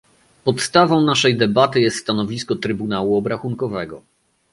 Podstawą naszej debaty jest stanowisko Trybunału Obrachunkowego